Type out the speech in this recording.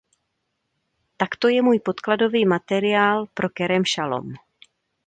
Tak to je můj podkladový materiál pro Kerem Šalom.